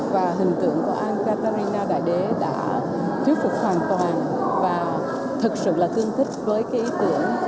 và hình tượng của anh catarina đại đế đã thiếu phục hoàn toàn và thật sự là tương thích với cái ý tưởng